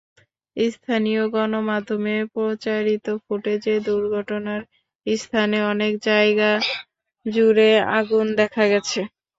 স্থানীয় গণমাধ্যমে প্রচারিত ফুটেজে দুর্ঘটনার স্থানে অনেক জায়গাজুড়ে আগুন দেখা গেছে।